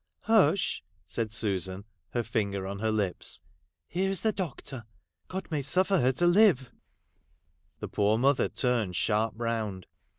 ' Hush !' said Susan, her finger on her lips. ' Here is the doctor. God may suffer her to live.' The poor mother turned sharp round.